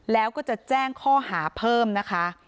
แล้วก็จะแจ้งข้อหาเพิ่มนะคะ